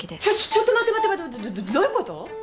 ちょっとちょっと待って待って待ってどういうこと？